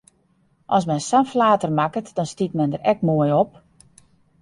As men sa'n flater makket, dan stiet men der ek moai op!